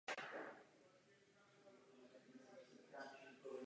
Název obce je odvozen od břízy.